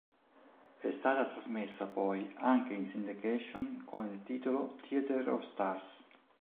È stata trasmessa poi anche in syndication con il titolo "Theater of Stars".